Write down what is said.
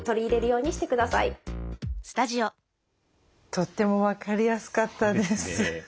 とっても分かりやすかったです。